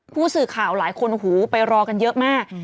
ผู้สื่อข่าวหลายคนหูไปรอกันเยอะมาก